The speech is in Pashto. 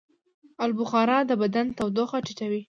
آلوبخارا د بدن تودوخه ټیټوي.